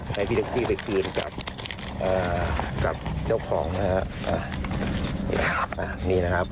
ให้พี่แท็กซี่ไปคืนกับกับเจ้าของนะฮะนี่นะครับ